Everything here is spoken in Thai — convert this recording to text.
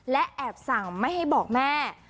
และแอบสั่งไม่ให้บอกแม่